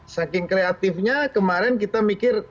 saking kreatifnya kemarin kita mikir